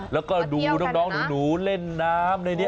แล้วก็ดูน้องหนูเล่นน้ำในนี้